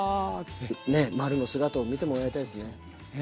ねっまるの姿を見てもらいたいですね。